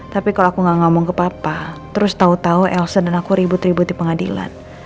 tapi kalau aku gak ngomong ke papa terus tahu tahu elsen dan aku ribut ribut di pengadilan